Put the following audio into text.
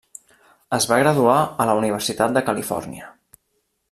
Es va graduar a la Universitat de Califòrnia.